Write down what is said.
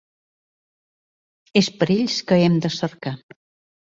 És per ells que hem de cercar.